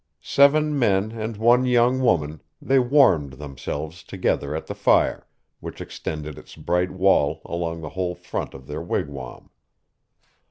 Seven men and one young woman, they warmed themselves together at the fire, which extended its bright wall along the whole front of their wigwam.